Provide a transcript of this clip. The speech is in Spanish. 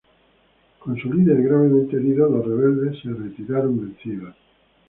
Con su líder gravemente herido, los rebeldes se retiraron vencidos.